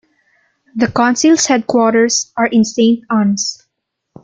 The council's headquarters are in Saint Annes.